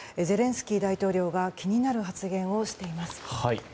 ゼレンスキー大統領が気になる発言をしています。